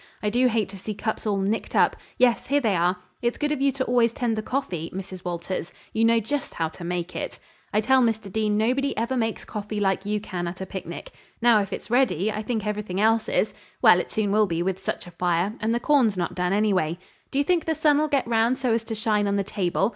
I do hate to see cups all nicked up; yes, here they are. It's good of you to always tend the coffee, Mrs. Walters; you know just how to make it. I tell Mr. Dean nobody ever makes coffee like you can at a picnic. Now, if it's ready, I think everything else is; well, it soon will be with such a fire, and the corn's not done, anyway. Do you think the sun'll get round so as to shine on the table?